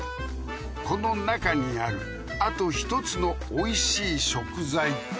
この中にあるあと１つの美味しい食材って？